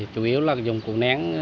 chủ yếu là dùng củ nén